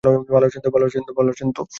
ভালো আছেন তো?